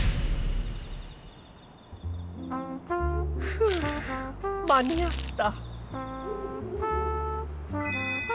ふう間に合った。